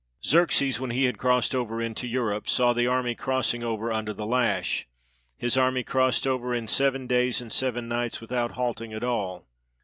Xerxes, when he had crossed over into Europe, saw the army crossing over under the lash: his army crossed 361 PERSIA over in seven days and seven nights without halting at all.